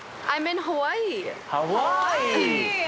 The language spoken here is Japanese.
ハワイ！